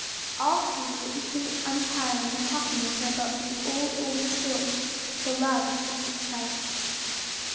All three were equally untiring in talking with her about the "old, old story" the Love of Jesus Christ.